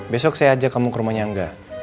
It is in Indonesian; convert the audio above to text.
besok saya ajak kamu ke rumahnya angga